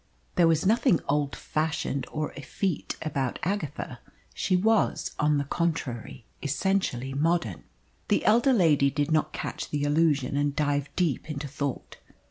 There was nothing old fashioned or effete about Agatha she was, on the contrary, essentially modern. The elder lady did not catch the allusion, and dived deep into thought.